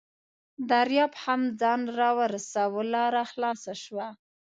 دریاب هم ځان راورساوه، لاره خلاصه شوه.